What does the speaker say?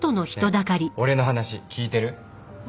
ねえ俺の話聞いてる？